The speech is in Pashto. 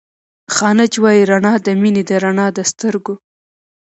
خانج وائي رڼا َد مينې ده رڼا َد سترګو